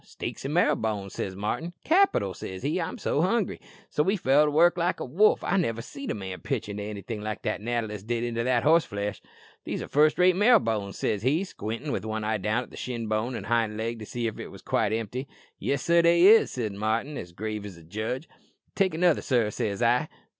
"'Steaks an' marrow bones,' says Martin." "'Capital!' says he. 'I'm so hungry.'" "So he fell to work like a wolf. I niver seed a man pitch into anything like as that natter list did into that horseflesh." "'These are first rate marrow bones,' says he, squintin' with one eye down the shin bone o' the hind leg to see if it was quite empty." "'Yes, sir, they is,' answered Martin, as grave as a judge." "'Take another, sir,' says I."